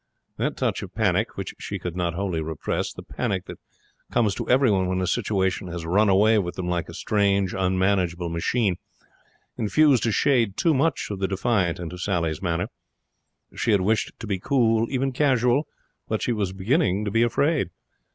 That touch of panic which she could not wholly repress, the panic that comes to everyone when a situation has run away with them like a strange, unmanageable machine, infused a shade too much of the defiant into Sally's manner. She had wished to be cool, even casual, but she was beginning to be afraid.